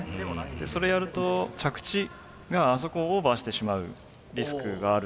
それやると着地があそこをオーバーしてしまうリスクがあると。